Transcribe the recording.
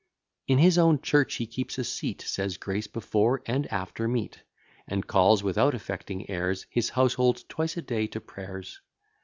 In his own church he keeps a seat; Says grace before and after meat; And calls, without affecting airs, His household twice a day to prayers.